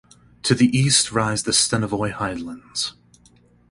To the east rise the Stanovoy Highlands.